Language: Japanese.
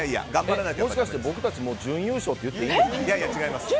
もしかして僕たちもう準優勝って言っていいんですか？